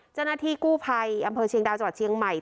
เจ้าหน้าที่กู้ภัยอำเภอเชียงดาวจังหวัดเชียงใหม่